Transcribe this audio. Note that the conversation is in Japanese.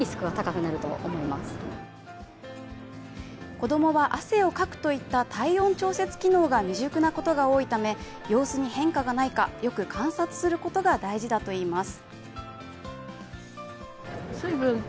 子供は汗をかくといった体温調節機能が未熟なことが多いため様子に変化がないかよく観察することが大事だといいます。